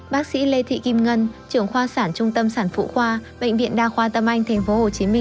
bác sĩ lê thị kim ngân trưởng khoa sản trung tâm sản phụ khoa bệnh viện đa khoa tâm anh tp hcm